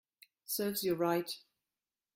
Serves you right